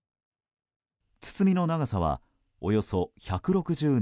堤の長さはおよそ１６７ｍ。